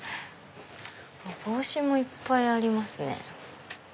帽子もいっぱいありますね。